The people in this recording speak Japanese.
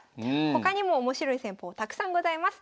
他にも面白い戦法たくさんございます。